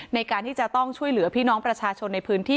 ในการที่จะต้องช่วยเหลือพี่น้องประชาชนในพื้นที่